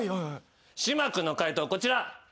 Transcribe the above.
島君の解答こちら。